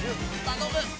頼む！